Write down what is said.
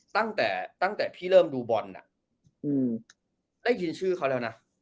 ตั้งแต่พี่เริ่มดูบอลน่ะได้ยินชื่อเขาแล้วนะ